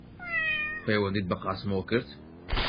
پەیوەندیت بە قاسمەوە کرد؟